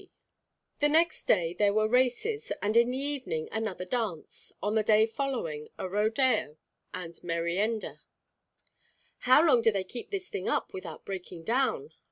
XX The next day there were races, and in the evening another dance, on the day following a rodeo and merienda. "How long do they keep this thing up without breaking down?"